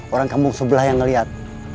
orang kampung sebelah yang ngeliat